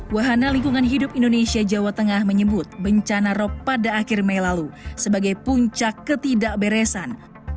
wahana lingkungan hidup indonesia jawa tengah menyebut bencana rop pada akhir mei lalu sebagai puncak ketidakberesan